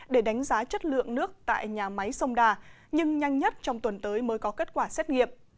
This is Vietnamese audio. để đánh giá chất lượng nước tại nhà máy sông đà nhưng nhanh nhất trong tuần tới mới có kết quả xét nghiệm